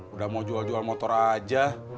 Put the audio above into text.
udah mau jual jual motor aja